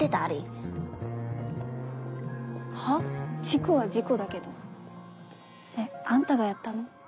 事故は事故だけどえっあんたがやったの？